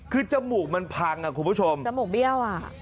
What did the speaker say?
คือจมูกมันพังอ่ะคุณผู้ชมจมูกเบี้ยวอ่ะ